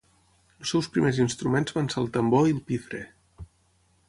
Els seus primers instruments van ser el tambor i el pifre.